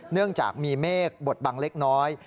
เนื่องจากมีเมฆบดบังเล็กน้อย